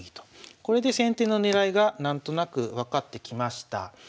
これで先手の狙いが何となく分かってきました。